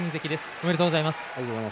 おめでとうございます。